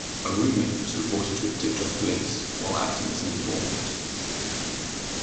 A room-mate was reported to have tipped off police, while acting as an informant.